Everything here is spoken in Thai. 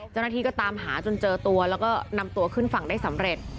เจ้าหน้าที่ก็ตามหาจนเจอตัวแล้วก็นำตัวขึ้นฝั่งได้สำเร็จ